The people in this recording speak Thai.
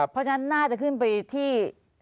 เพราะฉะนั้นน่าจะขึ้นไปที่